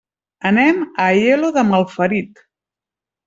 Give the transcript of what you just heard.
Anem a Aielo de Malferit.